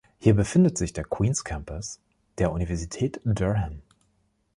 Hier befindet sich der Queen's Campus der Universität Durham.